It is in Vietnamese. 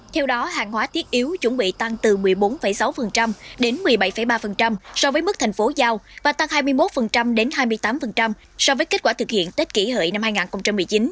theo đó hàng hóa thiết yếu chuẩn bị tăng từ một mươi bốn sáu đến một mươi bảy ba so với mức thành phố giao và tăng hai mươi một đến hai mươi tám so với kết quả thực hiện tết kỷ hợi năm hai nghìn một mươi chín